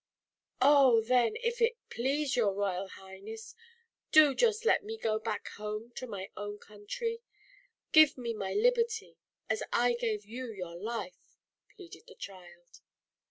"Oh! then, if it please your Royal Highness, do just let me go back home to my own country. Give me my lib erty, as I gave you your life," pleaded the child.